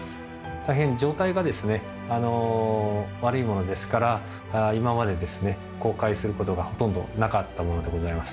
大変状態がですね悪いものですから今までですね公開することがほとんどなかったものでございます。